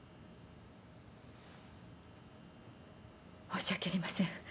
申し訳ありません。